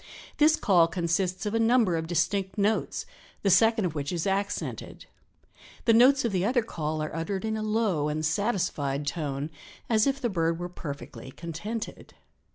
This call consists of a number of distinct notes, the second of which is accented. The notes of the other call are uttered in a low and satisfied tone as if the bird were perfectly contented.